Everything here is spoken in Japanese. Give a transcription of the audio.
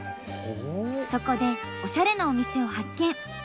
そこでオシャレなお店を発見！